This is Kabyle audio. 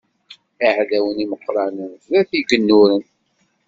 Iɛdawen imeqqranen d at igennuren.